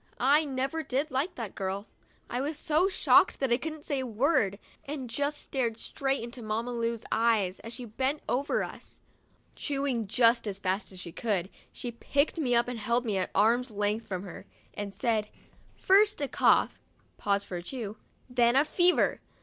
I never did like that girl Winnie." I was so shocked that I couldn't say a word, and just stared straight into Mamma Lu's eyes, as she bent over 56 THURSDAY— SPANKED us. Chewing just as fast as she could, she picked me up and held me at arms' length from her, and said : "First a cough* (pause for a chew), "then fever!'